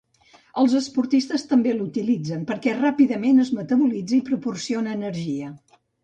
Els esportistes també l'utilitzen perquè ràpidament es metabolitza i proporciona energia.